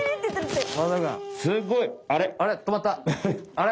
あれ？